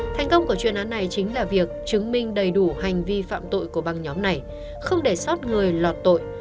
thành công của chuyên án này chính là việc chứng minh đầy đủ hành vi phạm tội của băng nhóm này không để sót người lọt tội